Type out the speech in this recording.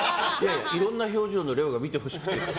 いろんな表情のレオを見てほしくて。